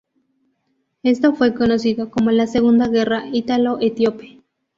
Esto fue conocido como la Segunda Guerra Italo-Etíope.